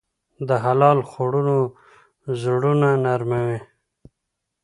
د حلال خوړو زړونه نرموي.